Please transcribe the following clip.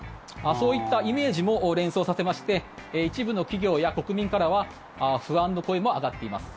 そういったイメージも連想させまして一部の企業や国民からは不安の声も上がっています。